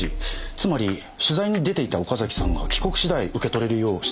つまり取材に出ていた岡崎さんが帰国次第受け取れるよう指定されています。